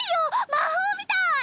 魔法みたい！